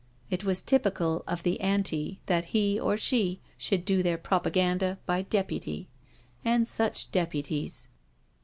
It was typical of the " Ami " that he, or she, should do their propaganda by deputy, and such deputies.